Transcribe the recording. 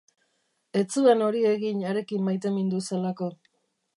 Ez zuen hori egin harekin maitemindu zelako.